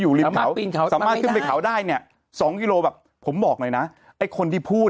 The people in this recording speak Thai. ริมเขาปีนเขาสามารถขึ้นไปเขาได้เนี่ยสองกิโลแบบผมบอกหน่อยนะไอ้คนที่พูด